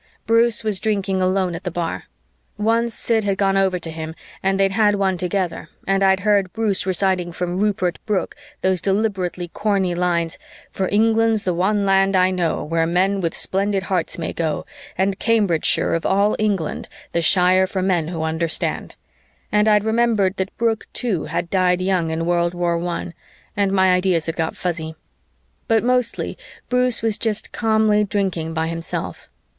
Bruce was drinking alone at the bar. Once Sid had gone over to him and they'd had one together and I'd heard Bruce reciting from Rupert Brooke those deliberately corny lines, "For England's the one land, I know, Where men with Splendid Hearts may go; and Cambridgeshire, of all England, The Shire for Men who Understand;" and I'd remembered that Brooke too had died young in World War One and my ideas had got fuzzy. But mostly Bruce was just calmly drinking by himself.